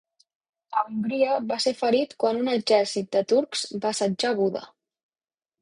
A Hongria va ser ferit quan un exèrcit de turcs va assetjar Buda.